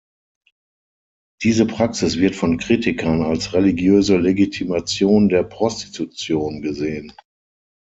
Diese Praxis wird von Kritikern als religiöse Legitimation der Prostitution gesehen.